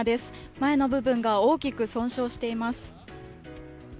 前の部分が大きく損傷しています。